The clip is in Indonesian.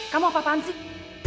kamu apa apaan sih